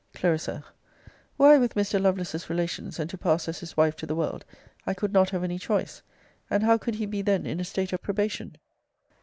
Cl. Were I with Mr. Lovelace's relations, and to pass as his wife to the world, I could not have any choice. And how could he be then in a state of probation?